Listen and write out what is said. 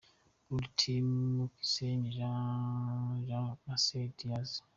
Burundi Team : Giessen Jean Jean& Maceri Diaz.